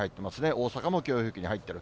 大阪も強風域に入ってる。